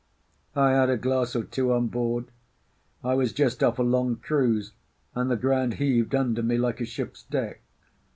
I had a glass or two on board; I was just off a long cruise, and the ground heaved under me like a ship's deck.